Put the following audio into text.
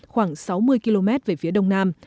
khoảng sáu mươi km về phía đông nam